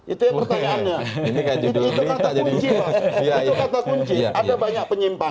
itu yang pertanyaannya